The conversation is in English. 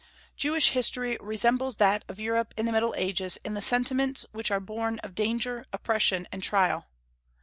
Jewish history resembles that of Europe in the Middle Ages in the sentiments which are born of danger, oppression, and trial.